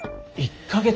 １か月？